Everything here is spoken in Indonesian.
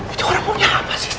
itu orang punya apa sih